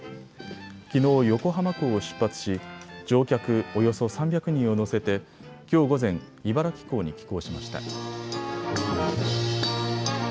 きのう横浜港を出発し、乗客およそ３００人を乗せてきょう午前、茨城港に寄港しました。